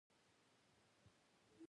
دغه څلور وزارتونه سره همکاري وکړي.